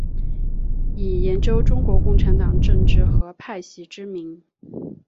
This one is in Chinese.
以研究中国共产党政治和派系知名。